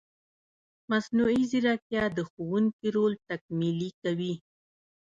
مصنوعي ځیرکتیا د ښوونکي رول تکمیلي کوي.